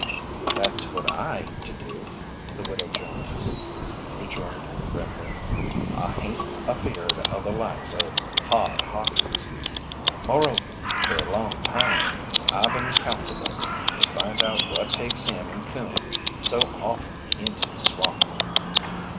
"That's what I aim to do," the Widow Jones rejoined grimly. "I hain't afeared o' the likes o' Hod Hawkins! Moreover, fer a long time, I been calculatin' to find out what takes him and Coon so offen into the swamp."